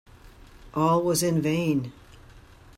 All was in vain.